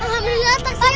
alhamdulillah taksi kebun